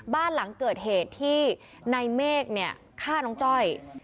บ้านหลังเกิดเหตุที่ในเมฆเนี่ยฆ่าน้องจ้อย